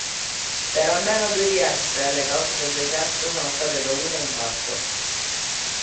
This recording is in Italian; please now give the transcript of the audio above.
Per almeno due di esse le cause del decesso sono state dovute a infarto.